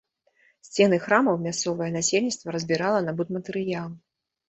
Сцены храмаў мясцовае насельніцтва разбірала на будматэрыялы.